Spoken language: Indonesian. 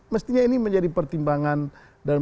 mestinya ini menjadi pertimbangan